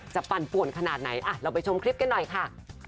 ปั่นป่วนขนาดไหนเราไปชมคลิปกันหน่อยค่ะ